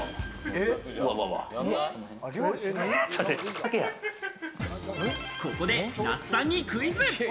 ○○だけここで那須さんにクイズ。